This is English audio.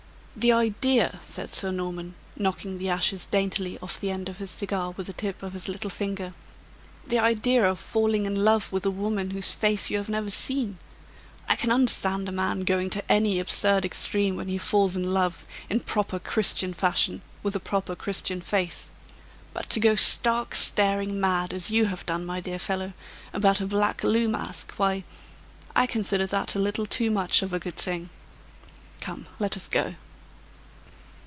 "The idea," said Sir Norman, knocking the ashes daintily off the end of his cigar with the tip of his little finger "the idea of falling in love with a woman whose face you have never seen! I can understand a man a going to any absurd extreme when he falls in love in proper Christian fashion, with a proper Christian face; but to go stark, staring mad, as you have done, my dear fellow, about a black loo mask, why I consider that a little too much of a good thing! Come, let us go."